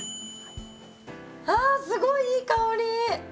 あすごいいい香り！